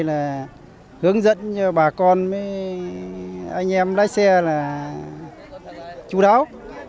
là hướng dẫn cho bà con anh em lái xe là chú đáo